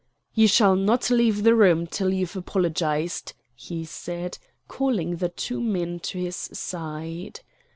"You shall not leave the room till you've apologized," he said, calling the two men to his side.